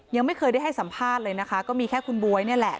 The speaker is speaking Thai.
ยังไม่เคยได้ให้สัมภาษณ์เลยนะคะก็มีแค่คุณบ๊วยนี่แหละ